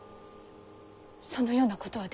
そのようなことはできませぬ。